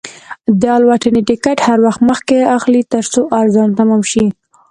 د الوتنې ټکټ هر وخت مخکې اخلئ، ترڅو ارزان تمام شي.